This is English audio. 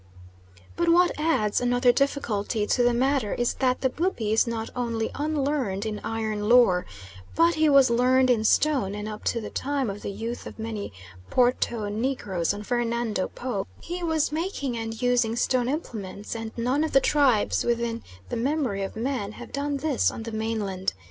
But what adds another difficulty to the matter is that the Bubi is not only unlearned in iron lore, but he was learned in stone, and up to the time of the youth of many Porto negroes on Fernando Po, he was making and using stone implements, and none of the tribes within the memory of man have done this on the mainland.